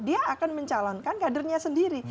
dia akan mencalonkan kadernya sendiri